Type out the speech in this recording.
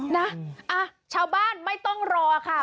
นะชาวบ้านไม่ต้องรอค่ะ